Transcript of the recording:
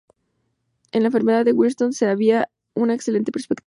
En la enfermedad de Wilson se ha visto una excelente perspectiva.